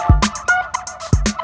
kau mau kemana